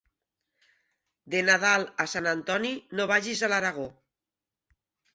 De Nadal a Sant Antoni no vagis a l'Aragó.